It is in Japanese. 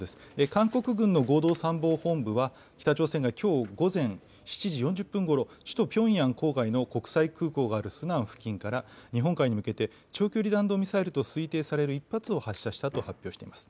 韓国軍の合同参謀本部は、北朝鮮がきょう午前７時４０分ごろ、首都ピョンヤン郊外の国際空港があるスナン付近から日本海に向けて、長距離弾道ミサイルと推定される１発を発射したと発表しています。